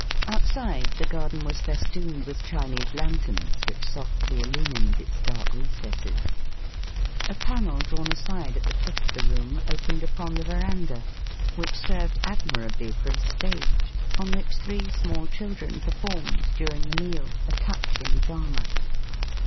Outside, the garden was festooned with Chinese lanterns which softly illumined its dark recesses. A panel drawn aside at the foot of the room opened upon the veranda, which served admirably for a stage, on which three small children performed, during the meal, a touching drama.